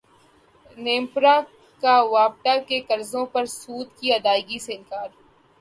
نیپرا کا واپڈا کے قرضوں پر سود کی ادائیگی سے انکار